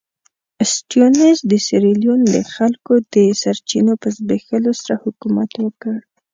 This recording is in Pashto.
سټیونز د سیریلیون د خلکو د سرچینو په زبېښلو سره حکومت وکړ.